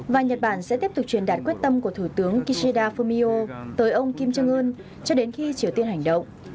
và nhật bản sẽ tiếp tục truyền đạt quyết tâm của thủ tướng kishida fumio tới ông kim jong un cho đến khi triều tiên hành động